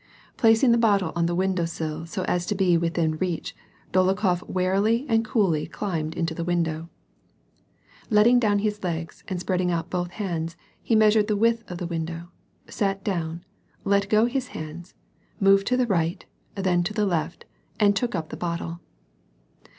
Placing the bottle on the window sill so as to be within reach, Dolokhof, warily and coolly climbed into the window. Letting down his legs and spreading out both hands, he meas ured the width of the window, sat down, let go his hands, moved to the right, then to the left, and took up the bottle.